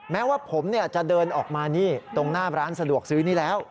แม้ว่าผมจะเดินออกมานี่ตรงหน้าร้านสะดวกซื้อนี่แล้ว